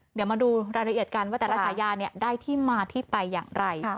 เดี๋ยวมาดูรายละเอียดกันว่าแต่ละฉายาได้ที่มาที่ไปอย่างไร